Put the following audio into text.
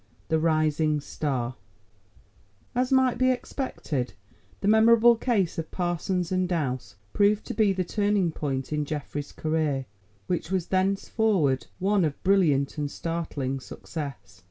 THE RISING STAR As might be expected, the memorable case of Parsons and Douse proved to be the turning point in Geoffrey's career, which was thenceforward one of brilliant and startling success.